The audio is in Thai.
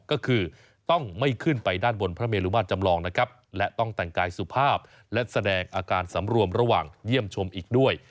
ก็คือต้องไม่ขึ้นไปด้านบนพระเมลุมาตรจำลองนะครับและต้องแต่งกายสุภาพและแสดงอาการสำรวมระหว่างเยี่ยมชมอีกด้วย